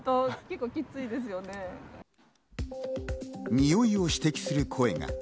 においを指摘する声が。